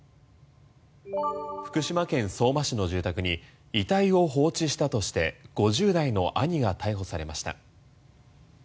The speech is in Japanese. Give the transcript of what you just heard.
福島県相馬市の住宅に遺体を放置したとして５０代の兄が逮捕されました。